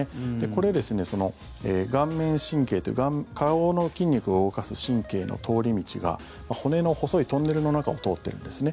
これ、顔面神経という顔の筋肉を動かす神経の通り道が骨の細いトンネルの中を通っているんですね。